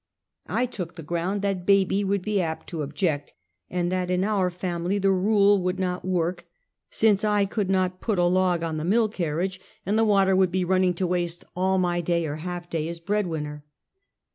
I took the ground that baby would be apt to object, and that in our family the rule would not work, since I could not put a log on the mill carriage, and the wa 144: Half a Century. ter would be inmuing to waste all my day or half day as bread winner.